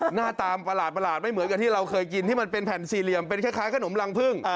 หน้าตาประหลาดไม่เหมือนกับที่เราเคยกินที่มันเป็นแผ่นสี่เหลี่ยมเป็นคล้ายขนมรังพึ่ง